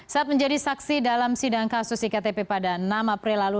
saat menjadi saksi dalam sidang kasus iktp pada enam april lalu